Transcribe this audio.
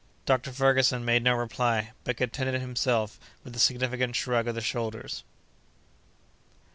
Dr. Ferguson made no reply, but contented himself with a significant shrug of the shoulders.